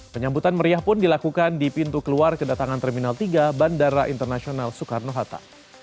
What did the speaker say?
penyambutan meriah pun dilakukan di pintu keluar kedatangan terminal tiga bandara internasional soekarno hatta